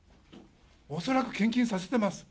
恐らく献金させてます。